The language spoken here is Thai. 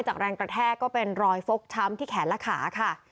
แรงกระแทกก็เป็นรอยฟกช้ำที่แขนและขาค่ะ